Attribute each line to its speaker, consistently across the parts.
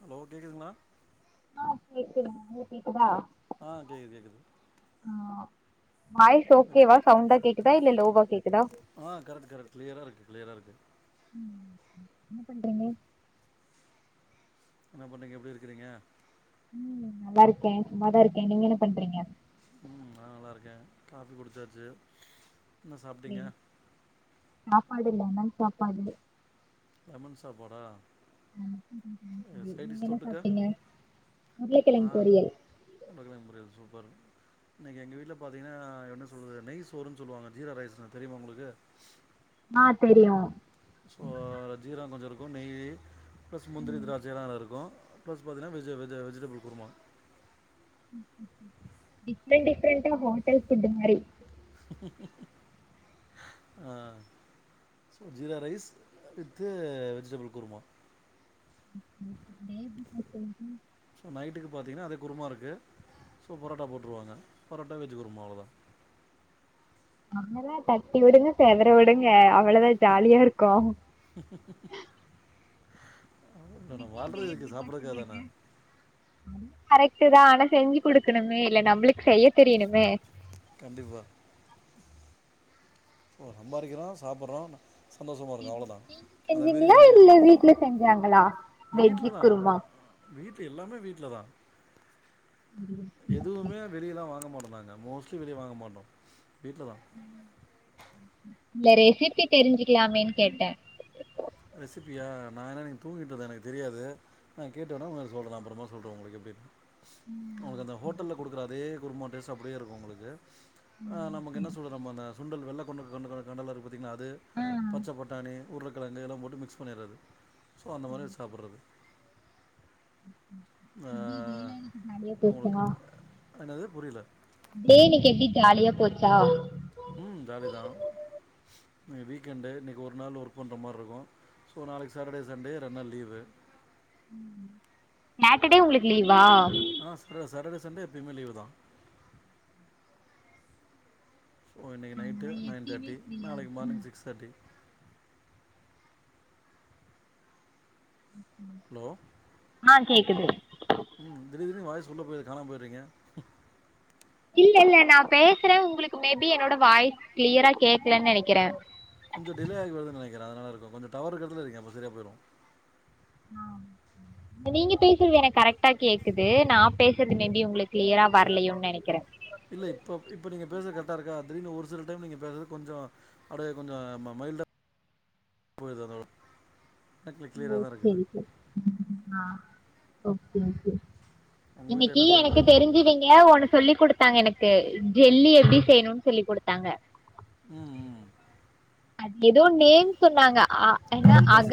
Speaker 1: Hello கேக்குதுங்ளா
Speaker 2: ஆ கேக்குது உங்களுக்கு கேக்குதா
Speaker 1: ஆ கேக்குது கேக்குது
Speaker 2: ஆ வாய்ஸ்
Speaker 1: எப்-
Speaker 2: ஓகேவா சவுண்டா கேக்குதா இல்ல லோவா கேக்குதா
Speaker 1: ஆ கரெட் கரெட் கிளியரா இருக்கு க்ளியரா இருக்கு
Speaker 2: ம் என்ன பண்றீங்க
Speaker 1: என்ன பண்ணீங்க எப்டி இருக்கிறீங்க
Speaker 2: ம் நல்லா இருக்கே சும்மாதா இருக்கே நீங்க என்ன பண்றீங்க
Speaker 1: ம் நா நல்லாருக்கே காஃபி குடிச்சாச்சு என்ன சாப்ட்டீங்க
Speaker 2: சாப்பாடு லெமன் சாப்பாடு
Speaker 1: லெமன் சாப்பாடா
Speaker 2: ஆமா. சரி நீங்க
Speaker 1: சைடிஸ்
Speaker 2: என்ன
Speaker 1: தொட்டுக்க
Speaker 2: சாப்ட்டீங்க
Speaker 1: ஆ
Speaker 2: உருளைக்கிழங்கு பொரியல்
Speaker 1: உருளக்கெழங்கு பொரியல் சூப்பர் இன்னைக்கு எங்க வீட்ல பாத்தீங்கன்னா என்ன சொல்றது நெய் சோறுன்னு சொல்லுவாங்க ஜீரா ரைஸ்ன் தெரியுமா உங்களுக்கு
Speaker 2: ஆ தெரியும்
Speaker 1: ஸோ ஜீரம் கொஞ்சம் இருக்கும் நெய் ப்ளஸ் முந்திரி
Speaker 2: ம்
Speaker 1: திராச்சைல்லா அதுல இருக்கும் ப்ளஸ் பாத்தங்கனா veggie veggie vegetable kurma
Speaker 2: different டிஃப்ரெண்ட்டா ஹோட்டல் ஃபுட் மாரி
Speaker 1: உம் உம் உம் ஆ jeera rice with vegetable kurma
Speaker 2: [unintelligible]
Speaker 1: so நைட்டுக்கு பாத்திங்கன்னா அதே குருமா இருக்குது ஸோ பரோட்டா போட்ருவாங்க பரோட்டா வெஜ் குருமா அவ்ளோதா
Speaker 2: அங்கதா தட்டி விடுங்க செதற விடுங்க அவ்வளதா ஜாலியா இருக்கும்
Speaker 1: நம்ம
Speaker 2: இன்னைக்கு டே
Speaker 1: வாழ்றது எதுக்கு சாப்றதுக்குக்காக தான
Speaker 2: அதும் கரெக்ட்டு தா ஆனா செஞ்சு குடுக்கணுமே இல்ல நம்மளுக்கு செய்ய தெரியணுமே
Speaker 1: கண்டிப்பா ஓ சம்பாரிக்கிறோ சாப்பிற்றோ சந்தோஷமா இருக்கோ அவ்ளோதா
Speaker 2: நீங்க
Speaker 1: அத மிறி
Speaker 2: செஞ்சீங்களா இல்ல வீட்ல செஞ்சாங்களா
Speaker 1: [unintelligible] வீட்ல
Speaker 2: வெஜ்ஜு
Speaker 1: தா
Speaker 2: குருமா
Speaker 1: வீட் எல்லாமே வீட்ல தா எதுவுமே வெளியெல்லா வாங்க மாட்டோ நாங்க மோஸ்லி வெளியே வாங்க மாட்டோ வீட்ல தா
Speaker 2: இல்ல ரெசிபி தெரிஞ்சுக்கலாமேனு கேட்ட
Speaker 1: ரெசிபியா நா என்னா இன்னக்கீ தூங்கிட்டு இருந்த எனக்கு தெரியாது நா கேட்டு வேணா உங்களூக்கு சொல்ற அப்றோமா சொல்றே உங்களுக்கு எப்டினு உங்ளுக்கு அந்த ஹோட்டல்ல குடுக்குற அதே குருமா டேஸ்ட் அப்டியே இருக்கு உங்களுக்கு ஆ நமக்கு என்ன சொல்றது நம்ம அந்த சுண்டல் வெள்ளை கொண்ட கொண்ட கடலா இருக்கு பாத்தீங்ளா அது
Speaker 2: ஆ
Speaker 1: பச்ச பட்டானி உருளக்கிழங்கு எல்லா போட்டு மிக்ஸ் பண்ணிறது சோ அந்த மாதிரி சாப்பிறது ஆ
Speaker 2: எப்டி டேலா இன்னைக்கு ஜாலியா போச்சா
Speaker 1: உங்களுக்கு என்னது புரில
Speaker 2: டே இன்னக்கீ எப்டி ஜாலியா போச்சா
Speaker 1: ம் ஜாலீ தா வீக்கெண்டு இன்னங்கீ ஒரு நாள் ஒர்க் பண்ற மாரி இருக்கு சோ நாளைக்கு சேட்டடே சண்டே ரெண்டு நாள் லீவு
Speaker 2: ம் சாட்டடே உங்களுக்கு லீவா
Speaker 1: ஆ ச சாட்டடே சன்டோ எப்பயுமே லீவு தா ஓ இன்னைக்கு நைட்டு
Speaker 2: நாங்கல்லா
Speaker 1: நைன்
Speaker 2: எப்பயுமே
Speaker 1: தேர்ட்டி
Speaker 2: ஃப்ரீயா
Speaker 1: நாளைக்கு
Speaker 2: இருப்போ
Speaker 1: மார்னிங் சிக்ஸ் தேர்ட்டி ஹலோ ஆ கேக்குதா ம் திடிர் திடிர்னு வாய்ஸ் உள்ள போயிருது கானாம போயிறீங்க
Speaker 2: இல்ல இல்ல நா பேசுற உங்களுக்கு மேபி என்னோட வாய்ஸ் கிளியரா கேடக்கலன்னு நெனைக்கிற
Speaker 1: கொஞ்சோ டிலேயாயி வருதுனு நெனக்கிற அதனால இருக்கு கொஞ்சோ டவர் இருக்கிற எடதுல வைங்க அப்ப சரியா போயிடு
Speaker 2: ஆ நீங்க பேசுறது எனக்கு கரெக்டா கேக்குது நா பேசுறது மேபி உங்களுக்கு கிளியரா வரலையோனு நெனைக்கிறே
Speaker 1: இல்ல இப்ப இப்ப நீங்க பேசுறது கரெக்ட்டா இருக்கா தீடிர்னு ஒரு சில டைம் நீங்க பேசுறது கொஞ்சோ அப்டே கொஞ்சோ மைல்டா போய்து அதோ
Speaker 2: ஓகே இது ஆ ஓகே இது
Speaker 1: உங்கள் வீட்டில்
Speaker 2: இன்னக்கீ
Speaker 1: என்ன
Speaker 2: எனக்கு
Speaker 1: சமையல்
Speaker 2: தெரிஞ்சுவீங்க ஒன்னு சொல்லி குடுத் தாங்க எனக்கு ஜெல்லி எப்டி செய்ணுனு சொல்லி குடுத்தாங்க
Speaker 1: ம் ம்
Speaker 2: அது எதோ நேம் சொன்னாங்க ஆ எனா அக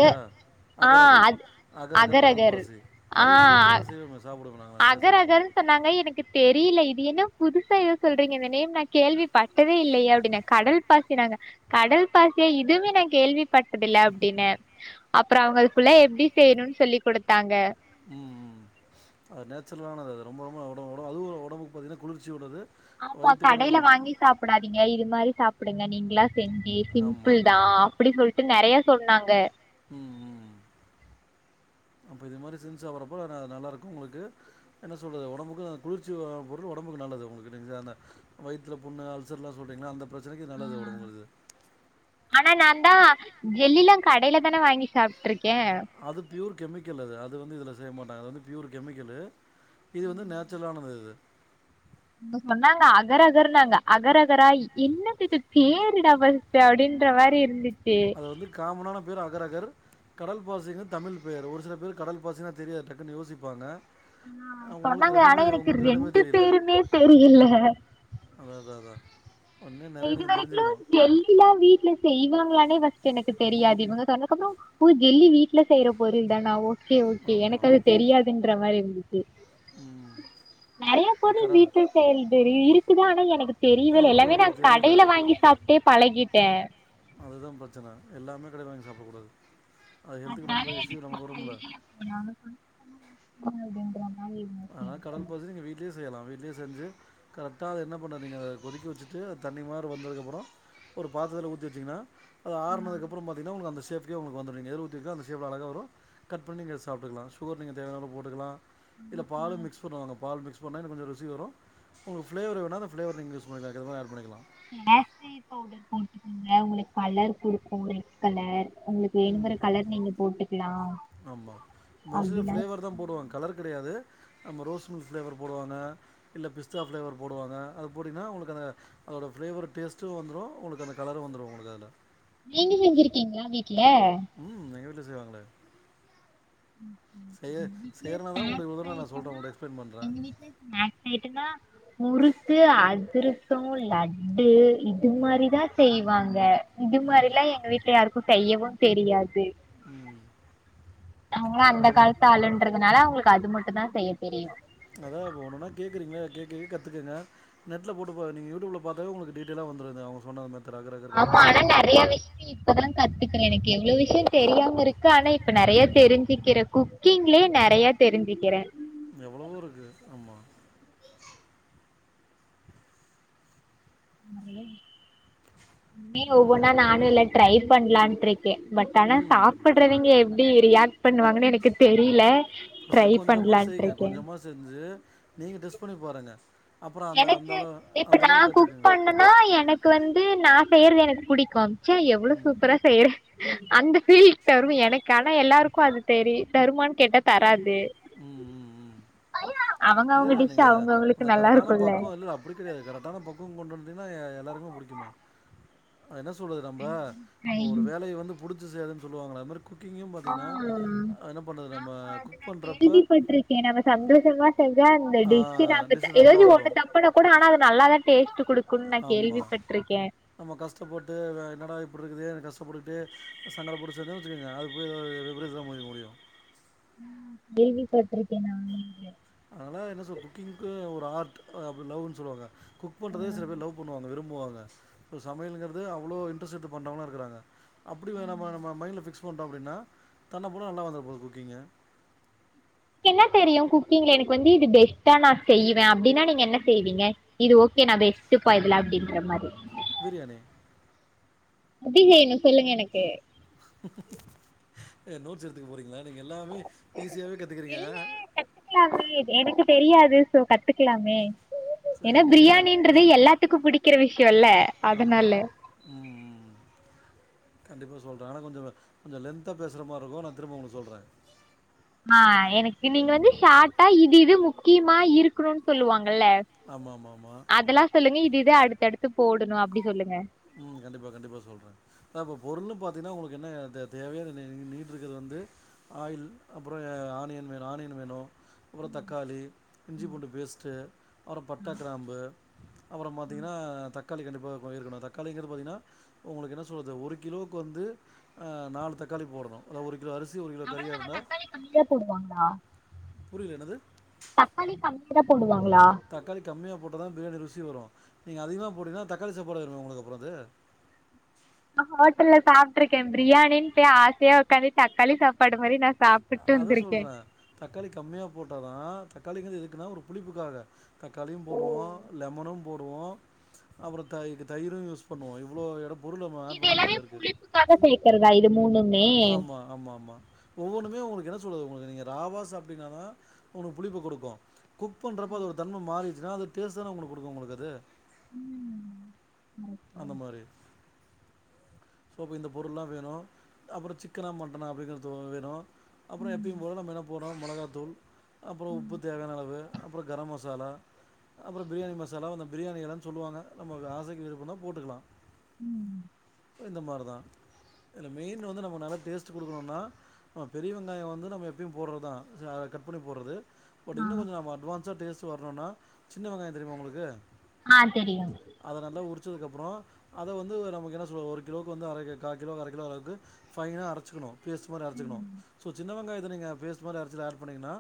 Speaker 2: ஆ
Speaker 1: அகரகர்
Speaker 2: அது
Speaker 1: அகரகர் கடல் பாசி அது எங்க வீட்ல எல்லா செய்வோமோ சாப்பிடுவோமே நாங்க
Speaker 2: அகர் அகள் சொன்னாங்க எனக்கு தெரியில இது என்ன புதுசா எதோ சொல்றீங்க இந்த நேம் நா கேள்விப்பட்டதே இல்லையே அப்டின்னே கடல் பாசினாங்க கடல் பாசியா இதுவுமே நா கேள்வி பட்டதுல அப்டின்ன அப்றோ அவுங்க ஃபுல்லா எப்டி செய்ணுனு சொல்லி குடுத்தாங்க
Speaker 1: ம் ம் அது நேச்சுரலானது அது ரொம்ப ரொம்ப ஒடம் ஒடம் அதுவு ஒடம்புக்கு பாத்தீங்கன்னா குளிர்ச்சி உள்ளது
Speaker 2: ஆமா
Speaker 1: வயிற்றுக்கு
Speaker 2: கடையில வாங்கி
Speaker 1: நம்ம
Speaker 2: சாப்பிடாதீங்க இது மாரி சாப்பிடுங்க நீங்ளா செஞ்சி சிம்பிள்
Speaker 1: ஆமாம்
Speaker 2: தா அப்டி சொல்ட்டு நெறைய சொன்னாங்க
Speaker 1: ம் ம் அப்ப இது மாரி செஞ்சு சாப்புறப்ப அது நல்லா இருக்கு உங்களுக்கு என்ன சொல்றது ஒடம்புக்கு குளிர்ச்சியான பொருள் ஒடம்புக்கு நல்லது உங்களுக்கு நெஞ்சாந்த வய்துல புண்ணு அல்சர்ல்லா சொல்றீள்ளா அந்த பிரச்சனைக்கு இது நல்லது ஒடம்புக்கு இது
Speaker 2: ஆனா நா தா ஜெல்லியெல்லா கடையில தான வாங்கி சாப்ட்டுருக்கே
Speaker 1: அது ப்யூர் கெமிக்கல் அது அது வந்து இதில செய்ய மாட்டாங்க அது வந்து ப்யூர் கெமிக்கலு இது வந்து நேச்சுரலானது இது
Speaker 2: அவுங்க சொன்னாங்க அகரகர்னாங்க அகரகரா என்னதிது பேர்டா பஸ் ட்டு அப்டின்ற மாரி இருந்துச்சி
Speaker 1: அது வந்து காமனான பேர் அகரகர் கடல் பாசிங்கு தமிழ் பெயர் ஒரு சில பேர் கடல் பாசினா தெரியாத டக்குன்னு யோசிப்பாங்க உங்களுக்கு
Speaker 2: சொன்னாங்க ஆனா
Speaker 1: ரெண்டுமே
Speaker 2: எனக்கு
Speaker 1: உங்களுக்கு ரெண்டுமே
Speaker 2: ரெண்டு
Speaker 1: தெரியல
Speaker 2: பேருமே தெரியல
Speaker 1: அதாத அதா
Speaker 2: இது வரைக்குமலு ஜெல்லில்லா வீட்ல செய்வாங்களானே ஃபஸ்ட் எனக்கு தெரியாது இவங்க சொன்னக்கப்புறோ ஊ ஜெல்லி வீட்ல செய்யற பொருள் தானா ஓ கே ஓகே எனக்கு
Speaker 1: ஆமாம்
Speaker 2: அது தெரியாதுன்ற மாரி இருந்துச்சி
Speaker 1: ம்
Speaker 2: நெறைய பொருள்
Speaker 1: கரர்
Speaker 2: வீட்டு செயல் தெரி இருக்குதானா எனக்கு தெரியவே இல்ல
Speaker 1: இருக்குது
Speaker 2: எல்லாமே நா
Speaker 1: உங்களுக்கு தெரியல
Speaker 2: கடையில வாங்கி சாப்பிட்டே பழகிட்டே
Speaker 1: அதுதா பிரச்சன எல்லாமே கடையில வாங்கி சாப்பிடக்கூடாது அது ஹெல்த்துக்கு ரொம்ப இஸ்யூ நமக்கு வரும்ல்ல
Speaker 2: நானும் போங்க அப்பிடின்றங்க
Speaker 1: ஆனா கடல் பாசி நீங்க வீட் ட்லியே செய்யலா வீட்லியே செஞ்சி கரெக்டா அத என்ன பண்ணனிங்க அத கொதிக்க வச்சிட்டு தண்ணி மார் வந்ததுக்கு அப்புறோ ஒரு பாத்தத்தில ஊத்தி வச்சீங்கன்னா அது ஆறனதுக்கு அப்புறோ பாத் த்திங்கன்னா உங்க அந்த சேஃப்கே உங்களுக்கு வந்துரு நீங்க எதுல உத்தி வக்கோ அந்த சேஃப்ல அழகா வரு கட் பண்ணி நீங்க சாப்பிட்டுக்கலா சுகர் நீங்க தேவையான அளவு போட்டுக்கலா இல்ல பாலு மிக்ஸ் பண்ணு வாங்க பால் மிகஸ் பண்ணா இன்ன கொஞ்ச ருசி வரு உங்ளுக்கு ஃப்ளேவர் வேணா அந்த ஃப்ளேவர் நீங்க யூஸ் பண்ணிக்கால அதுக்கேத்த மாரி ஆட் பண்ணிக்கலா
Speaker 2: கேசி பவுடர் போட்டுக்கோங்க உங்களுக்கு கலர் குடுக்கு ரெட் கலர் உங்களுக்கு
Speaker 1: ம்
Speaker 2: வேணுங்கற கலர் நீங்க போட்டுக்கலா
Speaker 1: ஆமா மோஸ்ட்லி ஃப்ளேவர் தா போடுவாங்க கலர் கிடையாது நம்ம ரோஸ் மில்க் ஃப்ளேவர் போடுவாங்க இல்ல பிஸ்தா ஃப்ளேவர் போடுவாங்க அது போட்டீங்கன்னா உங்களுக்கு அந்த அதோட ஃப்ளேவர் டேஸ்டு வந்துரு உங்களுக்கு அந்த கலரு வந்துரு உங்களுக்கு அதில
Speaker 2: நீங்க செஞ்சிருக்கீங்களா வீட்ல
Speaker 1: ம் எங்க வீட்ல செய்வாங்களே செய
Speaker 2: வீட்ல
Speaker 1: செயறனாதா உங்களுடு இவ்ளோ
Speaker 2: ஸ்நாக்ஸ்
Speaker 1: தூரோ நா சொல்றே
Speaker 2: ஐட்டம்னா
Speaker 1: உங்கட்ட எக்ஸ்பிளைன் பண்ணுறே
Speaker 2: எங்க வீட்ல ஸ்நாக்ஸ் ஆயிட்டன்னா முறுக்கு அதிரசம் லட்டு இது
Speaker 1: ம்.
Speaker 2: மாரிதா செய்வாங்க இது
Speaker 1: ம்.
Speaker 2: மாரில்லா எங்க வீட்ல யாருக்கு செய்யவு தெரியாது
Speaker 1: ம்
Speaker 2: அவங்களா அந்த
Speaker 1: போனா
Speaker 2: காலத்து ஆளுன்றதுனால அவங்களுக்கு அது மட்டுதா செய்ய தெரியு
Speaker 1: அதா இப்ப ஒன்னுனா கேக்குறீங்கள கேக்கு கே கத்துக்குங்க நெட்ல போட்டு பா நீங்க யூடியூப்ல பாத்தாவே உங்களுக்கு டீடெய்லா வந்துரு இத அவுங்க சொன்னத மாரி
Speaker 2: ஆமா ஆனா நெறைய விஷ் இத்ததெல்லா கத்துக்குறே எனக்கு எவ்ளோ விஷ்யோ தெரியாம இருக்கு ஆனா இப்ப நெறைய தெரிஞ்சிக்கிற குக் கீங்களே நெறைய தெரிஞ்சுக்கிறே
Speaker 1: எவ்வளவோ இருக்கு ம்
Speaker 2: நெறைய இரு மே
Speaker 1: வேற என்ன?
Speaker 2: ஒவ்வொன்னா நானு இல்ல ட்ரை பண்ணலான்ட்டு இருக்கே பட் ஆனா
Speaker 1: ம்.
Speaker 2: சாப்படறவிங்க எ ப்டி ரியாக்ட் பண்ணுவாங்கன்னு எனக்கு தெரியல
Speaker 1: ஃபஸ்ட் கொஞ்சமா செய்யுங்க கொஞ்சமா செஞ்சி நீங்க டெஸ்ட் பண்ணி பாருங்க அப்புறோ அந்த
Speaker 2: எனக்கு
Speaker 1: அந்தளவு
Speaker 2: இப்ப
Speaker 1: அந்தளவுக்
Speaker 2: குக்
Speaker 1: கத்துக்கங்க
Speaker 2: நா பண்ணனா எனக்கு வந்து நா செய்யறது எனக்கு புடிக்குச்சே எவ்ளோ சூப்பரா செய்யறே அந்த ஃபீல் தரு எனக்கு ஆனா எல்லாருக்கு அது தெரி தருமான் கேட்ட தராது
Speaker 1: ம் ம் ம்
Speaker 2: அவங்க
Speaker 1: இல்ல
Speaker 2: அவங்க
Speaker 1: இல்ல
Speaker 2: டிஷ்
Speaker 1: நீங்க அந்த
Speaker 2: அவங்க
Speaker 1: அந்த
Speaker 2: அவங்களுக்கு நல்லா
Speaker 1: கரெக்டான
Speaker 2: இருக்குல்ல
Speaker 1: பக்குவொ இல்ல அப்புடி கிடையாது கரெக்டான பக்குவொ கொண்டு வந்ட்டிங்கனா எல்லாருக்குமே புடிக்குமே அத என்ன சொல்றது நம்ப இப்ப ஒரு வேலைய வந்து புடுச்சு செய்றதுன் சொல்லுவாங்களே அதுமாரி குக்கிங்கு பாத்திங்கன்னா
Speaker 2: ம்
Speaker 1: என்ன பண்றது நம்ம குக் பண்றப்ப
Speaker 2: ஏ நம்ம சந்தோஷமா செஞ்சா அந்த டிஷு நம்பத
Speaker 1: டிஷ் நல்லா
Speaker 2: ஏதாச்சு ஒன்னு
Speaker 1: வரும்
Speaker 2: தப்புனா கூட ஆனா அது நல்லாதா டேஸ்ட் குடுக்குன்னு நா
Speaker 1: ஆமாம்
Speaker 2: கேள்விப்பட்ருக்கே
Speaker 1: நம்ம கஷ்டப்பட்டு என்னடா இப்டி இருக்குதேனு கஷ்டப்பட்டுக்கிட்டு சங்கடப்பட்டு சேந்த வச்சுக்கோங்க அது போய் எதோ ஒரு விபரிதா முடியு
Speaker 2: ம் கேள்விப்பட்ருக்கே நா [inaudible]
Speaker 1: அதனால என்ன சொல் குக்கிங்க்கு ஒரு ஆர்ட் அப்டி லவ்ன்னு சொல்லுவாங்க குக் பண்றத சில
Speaker 2: உங்களுக்கு
Speaker 1: பேர் லவ் பண்ணுவாங்க விரும்புவாங்க இப்போ சமையலுங்கிறது அவ்வளோ இன்ட்ரெஸ்ட் எடுத்து பண்றவங்ளு இருக்காங்க அப்புடி [unintelligible] பண்ட்டோ அப்டின்னா தன்னப் போல நல்லா வந்துரு போது குக்கிங்கு
Speaker 2: என்ன தெரியு குக்கிங்ல எனக்கு வந்து இது பெஸ்ட்டா நா செய்வே அப்டின்னா நீங்க என்ன செய்வீங்க இது ஓகே நா பெஸ்ட்டுப்பா இதுல அப்டின்ற மாரி
Speaker 1: பிரியாணி
Speaker 2: எப்டி செய்யனு சொல்லுங்க எனக்கு
Speaker 1: ஏ நோட்ஸ் எட்த்துக்க போறீங்களா நீங்க எல்லாமே ஈசியாவே கத்துக்குறீங்க
Speaker 2: இல்ல கத்துக்கலாமே எனக்கு தெரியாது சோ கத்துக்கலாமே ஏன்னா
Speaker 1: சரி பிரியாணி
Speaker 2: பிரியாணின்றது எல்லாத்துக்கு புடிக்கிற விஷ்யொல்ல அதனால
Speaker 1: ம் ம் ம் கண்டிப்பா சொல்றே ஆனா கொஞ்சொ கொஞ்சொ லென்த்தா பேசுற மாரி இருக்கு நான் திரும்ப உங்களு சொல்றே
Speaker 2: ஆ எனக்கு நீங்க வந்து
Speaker 1: ம்
Speaker 2: ஷார்ட்டா இது இது முக்கியமா இருக்குணுன் சொல்லுவாங்கல்ல
Speaker 1: ஆம ஆமா ஆமா
Speaker 2: அதெல்லா சொல்லுங்க இது இது அடுத்தடுத்து போடுணு அப்டி சொல்லுங்க
Speaker 1: ம் கண்டிப்பா கண்டிப்பா சொல்றே [unintelligible] இப்போ பொருள்னு பாத்தீங்கன்னா உங்களுக்கு என்ன [unintelligible] வந்து ஆயில் அப்பறொ ஆனியன் வேணு ஆனியன் வேணு அப்பறொ தக்காளி இஞ்சி பூண்டு பேஸ்ட்டு அப்றொ பட்ட கிராம்பு அப்பறொ பாத்திங்கன்னா தக்காளி கண்டிப்பாக கொ இருக்கணு த தக்காளிங்கிறது பாத்திங்கன்னா ஒங்களுக்கு என்ன சொல்றது ஒரு கிலோவுக்கு வந்து நாலு தக்காளி போடணு அத ஒரு கிலோ அரிசி ஒரு கிலோ கறியா
Speaker 2: அவ்வளதானா
Speaker 1: இருந்தா
Speaker 2: தக்காளி கம்மியா போடுவாங்களா
Speaker 1: புரிய்ல என்னது
Speaker 2: தக்காளி கம்மியா தா போடுவாங்களா
Speaker 1: தக்காளி கம்மிய போட்டா தா பிரியாணி ருசி வரு நீங்க அதிகமா போட்டிங்னா தக்காளி சாப்பாடு ஆய்ரு உங்ளுக்கு அப்றொ அது
Speaker 2: நா ஹோட்டல்ல சாப்ட்ருக்கே பிரியாணின் பொய் ஆசையா உக்காந்து தக்காளி சாப்பாடு மாரி நா சாப்புட்டு
Speaker 1: அதா
Speaker 2: வந்திருக்கே
Speaker 1: சொல்றே தக்காளி கம்மியா போட்டாதா தக்காளிந்து எதுக்குன்னா ஒரு புளிப்புக்காக தக்காளியு
Speaker 2: ஓ
Speaker 1: போடுவோ லெமனு போடுவோ அப்பறொ தை க்கு தயிரு யூஸ் பண்ணுவோ இவ்ளோ எட பொருள் நம்ம ஆட் பண்ண வேண்டியதல்லா இருக்கு
Speaker 2: காக்த சேகறதா இது மூனு
Speaker 1: அ ஆமா ஆமா ஆமா ஒவ்வொன்னுமே ஒங்களுக்கு என்ன சொல்லது ஒங்களுக்கு நீங்க ராவா சாப்டிங்கனாதா உங்களுக் புளிப்பு குடுக்கு குக் பன்றப்ப அதோட தன்ம மாறிச்சுனா அது டேஸ்ட் தான ஒங்களுக் குடுக்கு ஒங்களுக்கு அது
Speaker 2: ம்
Speaker 1: அந்த
Speaker 2: தான்.
Speaker 1: மாரி சோப்ப இந்த பொருள்லா வேணு அப்றோ சிக்கனாக மட்டனாக அப்டிங்கிறது வேணு அப்றோ
Speaker 2: ம்,
Speaker 1: எப்பயம் போல நம்ம என்ன போடுறோ மொளகாத்தூள் அப்றோ உப்பு தேவையான அளவு அப்றம் கரம் மசாலா அப்றோ பிரியாணி மசாலா அந்த பிரியாணி எல்லாம்னு சொல்லுவாங்க நம்ம ஆசைக்கு விருப்பந்த போட்டுக்கலா
Speaker 2: ம்.
Speaker 1: இந்த மாரி தான் இல்லே மேய்ன் வந்து நம்ம நல்லா டேஸ்ட் குடுகனோன்ன ஆ பெரிய வெங்காயம் வந்து நம்ம எப்பயும் போடுறதுதான் அத கட் பண்ணி போடுறது பட்
Speaker 2: ஆ
Speaker 1: இன்னு கொஞ்ச நம்ம அட்வான்ஸா டேஸ்ட் வரணும்னா சின்ன வெங்காயம் தெரியுமா உங்களுக்கு
Speaker 2: ஆ தெரியும்
Speaker 1: அத நல்லா உரிச்சதுக்கு அப்றோ அத வந்து நமக்கு என்ன சொல்லுது ஒரு கிலோவுக்கு வந்து அரை கே காக் கிலோக்கு அரை கிலோ அளவுக்கு ஃபைனா அரைச்சுக்கணு பேச்ட் மாரி அரைச்சுக்கணு சோ சின்ன வெங்காயத்த நீங்க பேச் இது மாரி அரச்சத ஆட் பண்ணிங்கன்னா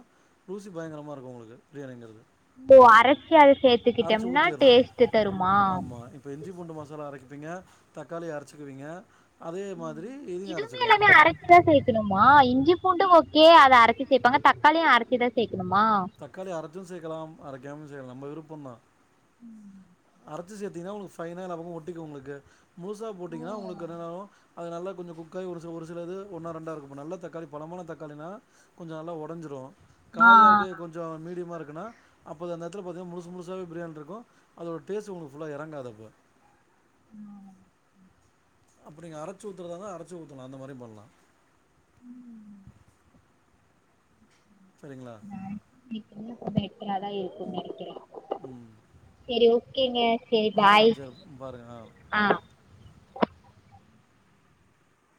Speaker 1: ரூசி பயங்கரமாக இருக்கும் உங்களுக்கு பிராணங்கிறது
Speaker 2: அரைசி அத சேத்துக்கிட்டோம்னா
Speaker 1: ஊற்றிடணும்
Speaker 2: டேஸ்ட் தருமா
Speaker 1: ஆமாம் இப்போ இஞ்சி பூண்டு மசாலா அரைக்கப்பீங்க தக்காளி அரச்சிக்குவீங்க
Speaker 2: இதுமே எல்லாமே அரச் தான் சேக்கணுமா இஞ்சி பூண்டு ஓகே அத அரைச்சி சேபாங்க தக்காளியும் அரச்சிதான் சேக்கணுமா
Speaker 1: தக்காளி அரச்சும் செக்கலாம் அரைக்காமல் செகலா நம்ம விருப்பம் தான்
Speaker 2: [inaudible]
Speaker 1: அரைச்சு சேத்தீங்கன்னா உங்களுக்கு ஃபைன எல்லா பக்கமும் ஒட்டிக்கும் உங்களுக்கு முழுசா
Speaker 2: ஓ
Speaker 1: போட்டீங்கன்னா உங்களுக்கு ராலுவும் அது நல்லா கொஞ்ச குக்காகி ஒரு சில ஒரு சிலது ஒன்னா ரெண்டா இருக்கும் நல்ல தக்காளி பழமான தக்காளினா கொஞ்ச நல்லா ஒடஞ்சிடு
Speaker 2: ஆ
Speaker 1: காயா இருக்குது கொஞ்ச மீடியமா இருக்குன்னா அப்போ அந்த நேரத்தில் பாத்தீங்கா முசு முசாவவே பிரியாணி இருக்கும் அதோட டேஸ்ட் உங்களுக்கு ஃபுல்லா எறங்காது அப்போ
Speaker 2: ஆ
Speaker 1: அப்டி நீங்க அரைச்சு ஊத்துறதா இருந்த அரச்சு ஊத்தலா அந்த மாரி பண்லா
Speaker 2: ம்
Speaker 1: செரிங்களா
Speaker 2: மேக்சிபூ எட்டு நாள் தான் இருக்கு நினைக்கிறேன்
Speaker 1: ம்
Speaker 2: செரி ஓகேங்க செரி
Speaker 1: ஆ
Speaker 2: பாய்
Speaker 1: சரி பாருங்கள்
Speaker 2: ஆ